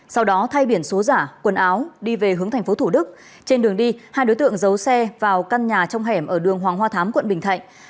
sau đó thay biển số giả quần áo đi về hướng tp thủ đức trên đường đi hai đối tượng giấu xe vào căn nhà trong hẻm ở đường hoàng hoa thám quận bình thạnh